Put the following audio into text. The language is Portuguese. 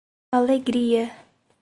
Alegria